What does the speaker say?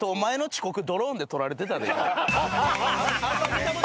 遅刻ドローンで撮られてた。